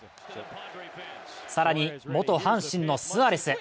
更に、元阪神のスアレス。